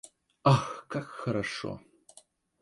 – Ах, как хорошо!